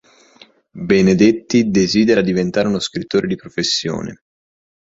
Benedetti desidera diventare uno scrittore di professione.